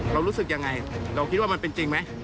เรารู้สึกยังไงเราคิดว่ามันเป็นจริงไหม